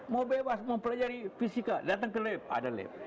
mau bebas mempelajari fisika datang ke lab ada lab